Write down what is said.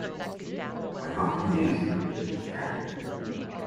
When not in use, the tube is capped.